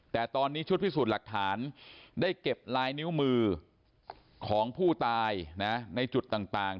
แต่ตอนนี้ชุดพิสูจน์หลักฐานได้เก็บลายนิ้วมือของผู้ตายในจุดต่าง